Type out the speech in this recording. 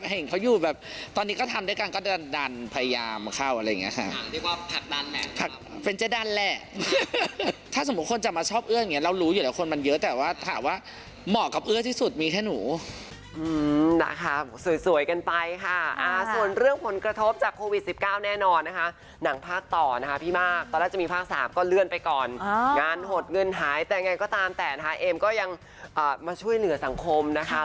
หมดเงินหายแต่ยังไงก็ตามแต่นะคะเอ็มก็ยังมาช่วยเหนือสังคมนะคะ